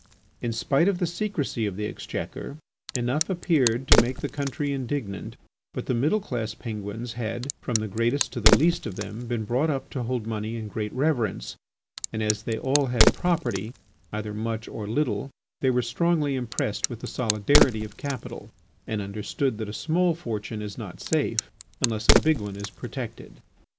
In spite of the secrecy of the Exchequer, enough appeared to make the country indignant, but the middle class Penguins had, from the greatest to the least of them, been brought up to hold money in great reverence, and as they all had property, either much or little, they were strongly impressed with the solidarity of capital and understood that a small fortune is not safe unless a big one is protected.